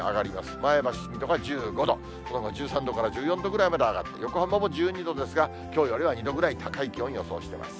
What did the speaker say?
前橋、水戸が１５度、その後、１３度から１４度ぐらいまで上がって、横浜も１２度ですが、きょうよりは２度ぐらい高い気温、予想しています。